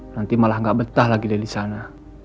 nanti malah nggak betah lagi dari sana